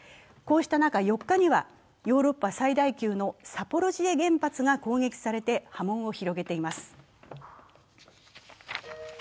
こうした中、４日にはヨーロッパ最大級のザポロジエ原発が攻撃されて波紋を広げています。